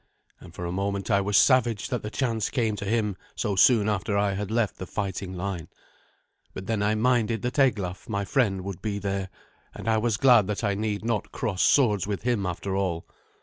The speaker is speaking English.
And for a moment I was savage that the chance came to him so soon after I had left the fighting line; but then I minded that Eglaf, my friend, would be there, and I was glad that I need not cross swords with him after all.